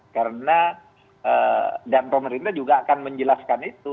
karena dan pemerintah juga akan menjelaskan itu